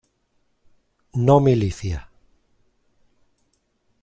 No milicia.